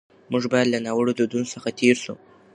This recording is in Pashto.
موږ باید له ناوړه دودونو څخه تېر سو.